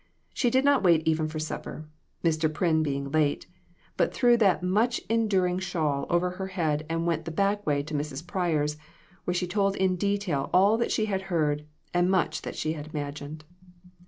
She did not wait even for supper Mr. Pryn being late but threw that much enduring shawl over her head, and went the back way to Mrs. Pryor's, where she told in detail all that she had heard, and much that she had imagined.